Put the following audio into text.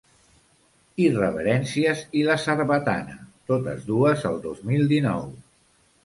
Irreverències i La sarbatana, totes dues el dos mil dinou.